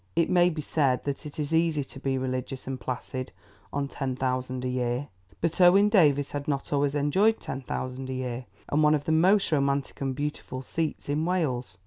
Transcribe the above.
It may be said that it is easy to be religious and placid on ten thousand a year, but Owen Davies had not always enjoyed ten thousand a year and one of the most romantic and beautiful seats in Wales.